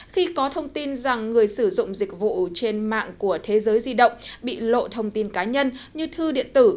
khi có thông tin rằng người sử dụng dịch vụ trên mạng của thế giới di động bị lộ thông tin cá nhân như thư điện tử